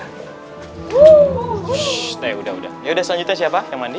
shhh teh udah udah yaudah selanjutnya siapa yang mandi